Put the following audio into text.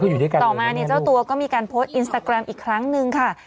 ต่อมาเนี่ยเจ้าตัวก็มีการโพสต์อินสตาแกรมอีกครั้งนึงค่ะ